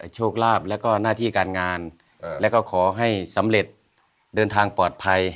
โชคลาภแล้วก็หน้าที่การงานแล้วก็ขอให้สำเร็จเดินทางปลอดภัย